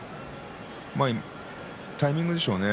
タイミングでしょうね。